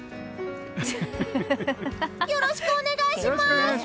よろしくお願いします！